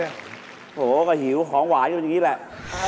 โอ้โหก็หิวของหวานอยู่ดีแหละ